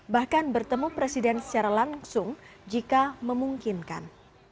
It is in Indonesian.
bahkan bertemu presiden secara langsung jika memungkinkan